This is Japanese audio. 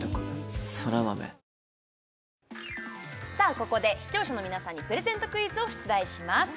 ここで視聴者の皆さんにプレゼントクイズを出題します